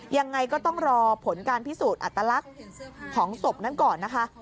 ยังไงก็ต้องรอผลการพิสูจน์อัตลักษณ์ของศพนั้นก่อนนะคะ